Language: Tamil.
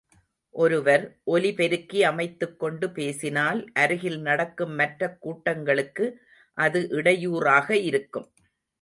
ஒருவர், ஒலி பெருக்கி அமைத்துக் கொண்டு பேசினால், அருகில் நடக்கும் மற்றக் கூட்டங்களுக்கு, அது இடையூறாக இருக்கும்.